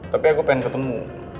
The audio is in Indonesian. tapi aku pengen ketemu